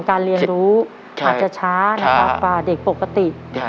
ไม่ค่อยดี